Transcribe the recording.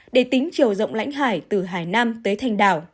để tính chiều rộng lãnh hải từ hải nam tới thành đảo